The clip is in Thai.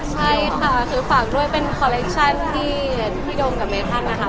ใช่ค่ะคือฝากด้วยเป็นคอลเลคชั่นที่พี่โดมกับเมธันนะคะ